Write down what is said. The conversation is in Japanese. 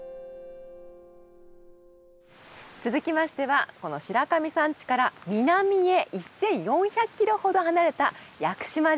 続きましてはこの白神山地から南へ１，４００キロほど離れた屋久島です。